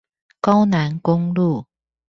高楠公路